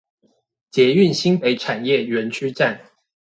捷運新北產業園區站